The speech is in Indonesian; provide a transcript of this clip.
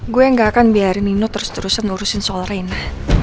gue yang gak akan biarin nino terus terusan ngurusin soal reina